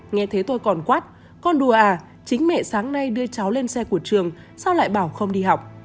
nghe thấy tôi còn quát con đùa à chính mẹ sáng nay đưa cháu lên xe của trường sao lại bảo không đi học